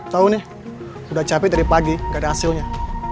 tahu nih udah capek dari pagi gak ada hasilnya